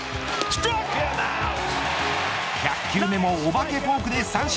１００球目もお化けフォークで三振。